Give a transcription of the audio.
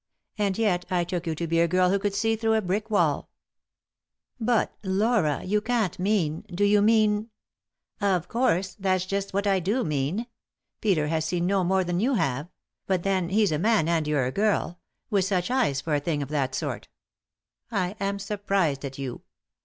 And yet I took you to be a girl who could see through a brick wall." n6 ;«y?e.c.V GOOglC THE INTERRUPTED KISS "But, Laura, you can't mean— do you mean ?" "Of course — that's just what I do mean. Peter has seen no more than you have ; but then he's a man and you're a girl — with such eyes for a thing ot that sort I am surprised at you.